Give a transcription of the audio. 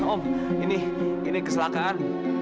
om ini kesalahan